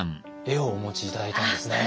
絵をお持ち頂いたんですね。